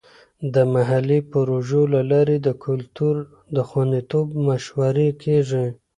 د محلي پروژو له لارې د کلتور د خوندیتوب مشورې کیږي.